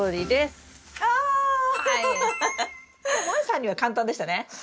もえさんには簡単でしたね。